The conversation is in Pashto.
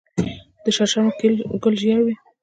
د شړشمو ګل ژیړ وي.